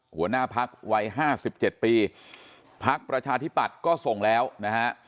หัวหน้าพรรควัยห้าสิบเจ็ดปีพรรคประชาธิปัตย์ก็ส่งแล้วนะฮะ